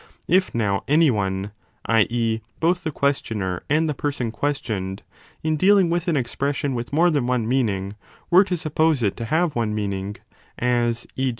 If now any one (i. e. both the questioner and the person 20 questioned), in dealing with an expression with more than one meaning, were to suppose it to have one meaning as e.